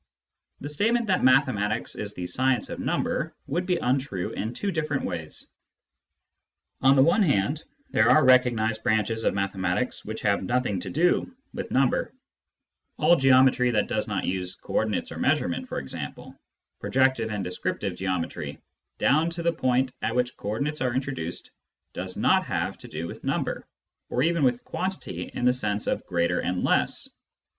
The statement that mathematics is the science of number would be untrue in two different ways. On the one hand, there are recognised t branches of mathematics which have nothing to do with number — all geometry that does not use co ordinates or measurement, for example : projective and descriptive geometry, down to the point at which co ordinates are introduced, does not have to do with number, or even with quantity in the sense of greater and less.